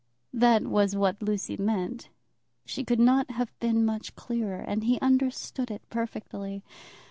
That was what Lucy meant. She could not have been much clearer, and he understood it perfectly.